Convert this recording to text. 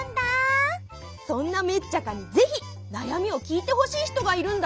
そんなメッチャカにぜひなやみを聞いてほしい人がいるんだ。